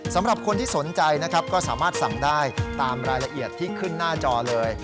สำหรับคนที่สนใจนะครับก็สามารถสั่งได้ตามรายละเอียดที่ขึ้นหน้าจอเลย